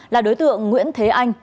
là đối tượng nguyễn thế anh